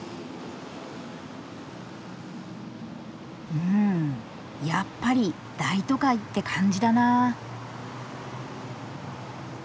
うんやっぱり大都会って感じだな。